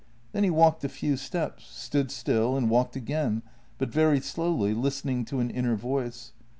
Then he walked a few steps — stood still — and walked again, but very slowly, listen ing to an inner voice.